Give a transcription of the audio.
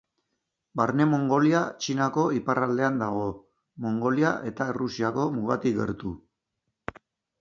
Barne Mongolia Txinako iparraldean dago, Mongolia eta Errusiako mugatik gertu.